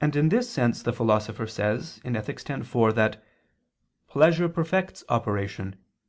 And in this sense the Philosopher says (Ethic. x, 4) that "pleasure perfects operation